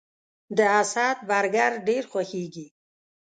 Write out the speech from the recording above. د اسد برګر ډیر خوښیږي